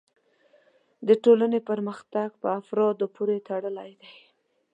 د ټولنې پرمختګ په افرادو پورې تړلی دی.